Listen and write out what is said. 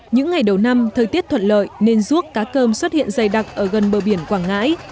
những ngày đầu năm thời tiết thuận lợi nên ruốc cá cơm xuất hiện dày đặc ở gần bờ biển quảng ngãi